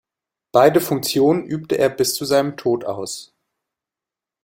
Beide Funktionen übte er bis zu seinem Tod aus.